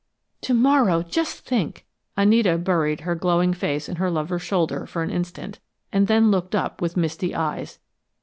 "To morrow! Just think!" Anita buried her glowing face in her lover's shoulder for an instant, and then looked up with misty eyes.